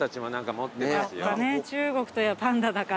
やっぱね中国といえばパンダだから。